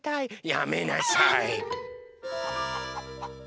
やめなさい！